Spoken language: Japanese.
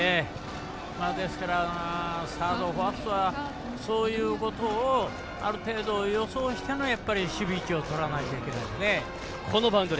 ですから、サード、ファーストはそういうことをある程度、予想しての守備位置をとらないといけないですね。